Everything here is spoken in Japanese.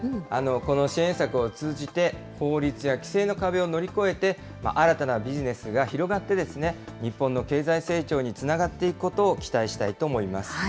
この支援策を通じて、法律や規制の壁を乗り越えて、新たなビジネスが広がって、日本の経済成長につながっていくことを期待したいと思います。